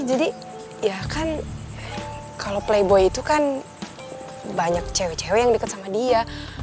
jadi ya kan kalau playboy itu kan banyak cewek cewek yang deket sama dia